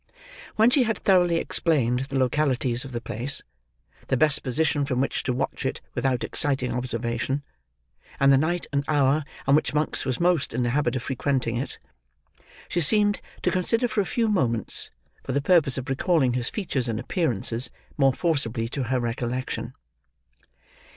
When she had thoroughly explained the localities of the place, the best position from which to watch it without exciting observation, and the night and hour on which Monks was most in the habit of frequenting it, she seemed to consider for a few moments, for the purpose of recalling his features and appearances more forcibly to her recollection.